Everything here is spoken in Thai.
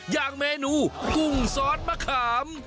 อย่างเมนูกุ้งซอสมะขาม